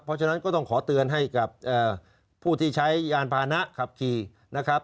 เพราะฉะนั้นก็ต้องขอเตือนให้กับผู้ที่ใช้ยานพานะขับขี่นะครับ